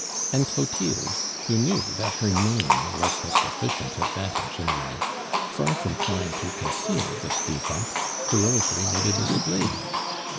And Clotilde, who knew that her name was a sufficient advantage in life, far from trying to conceal this defect, heroically made a display of it.